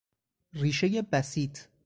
ریشهی بسیط